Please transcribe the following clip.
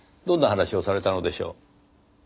どんな話をされたのでしょう？